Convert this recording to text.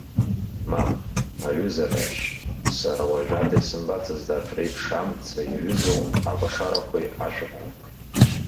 Мап, аҩыза Рашь, сара уажәада исымбацызт арҭ реиԥш амца иаҩызоу акәашарақәеи ашәаҳәарақәеи.